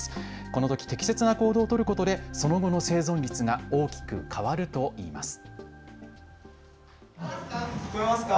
このとき適切な行動を取ることでその後の生存率が大きく変わるといいます。